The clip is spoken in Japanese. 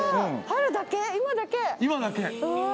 春だけ今だけわあ